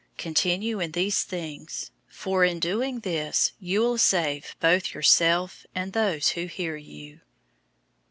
Continue in these things, for in doing this you will save both yourself and those who hear you.